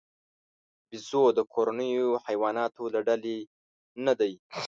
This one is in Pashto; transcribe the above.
بیزو د کورنیو حیواناتو له ډلې نه دی.